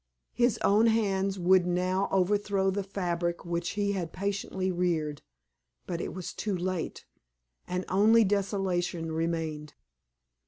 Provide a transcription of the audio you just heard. His own hands would now overthrow the fabric which he had patiently reared; but it was too late, and only desolation remained.